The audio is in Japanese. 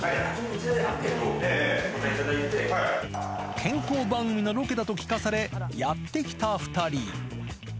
健康番組のロケだと聞かされ、やって来た２人。